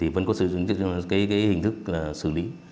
vẫn có sử dụng hình thức xử lý